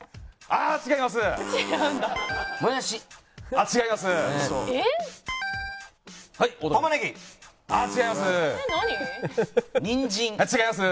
あっ違います。